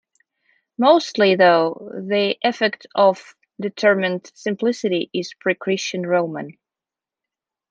Mostly, though, the effect of the determined simplicity is pre-Christian Roman.